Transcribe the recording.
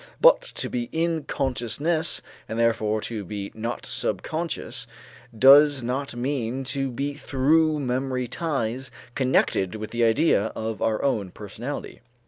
But to be in consciousness, and therefore to be not subconscious, does not mean to be through memory ties connected with the idea of our own personality.